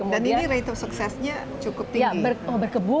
dan ini ratenya suksesnya cukup tinggi